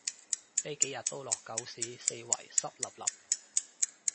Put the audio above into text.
呢幾日都落狗屎，四圍濕 𣲷𣲷